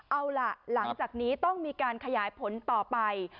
เอาล่ะหลังจากนี้ต้องมีการขยายผลต่อไป